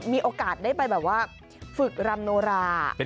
มีโอกาสได้ไปแบบว่าฝึกรำโนรา